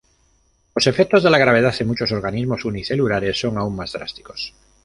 Los efectos de la gravedad en muchos organismos unicelulares son aún más drásticos.